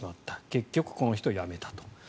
結局この人は辞めたと。